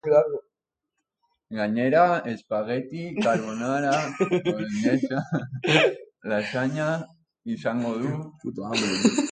Gainera, datozen zazpi urteotan ezin izango du armarik izan.